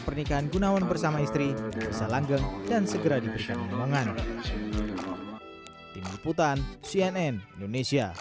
pernikahan gunawan bersama istri bisa langgang dan segera diberikan penemuan tim hukum putan cnn